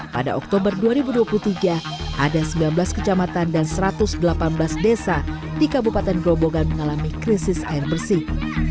pada oktober dua ribu dua puluh tiga ada sembilan belas kecamatan dan satu ratus delapan belas desa di kabupaten grobogan mengalami krisis air bersih